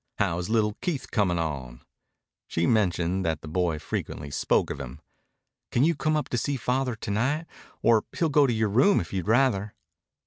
How is little Keith comin' on?" She had mentioned that the boy frequently spoke of him. "Can you come up to see Father to night? Or he'll go to your room if you'd rather."